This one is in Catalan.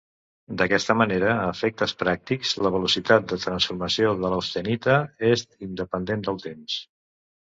D'aquesta manera, a efectes pràctics, la velocitat de transformació de l'austenita és independent del temps.